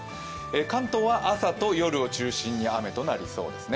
関東は朝と夜を中心に雨となりそうですね。